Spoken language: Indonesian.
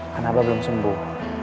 kan abah belum sembuh